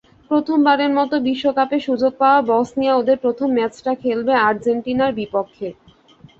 প্রথমবারের মতো বিশ্বকাপে সুযোগ পাওয়া বসনিয়া ওদের প্রথম ম্যাচটা খেলবে আর্জেন্টিনার বিপক্ষে।